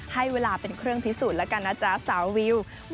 ให้เวลาเป็นเครื่องพิสูจน์แล้วกันนะจ๊ะสาววิว